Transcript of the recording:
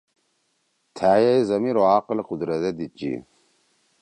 تھأئے ضمیر او عقل قدرت دے دیِد چی۔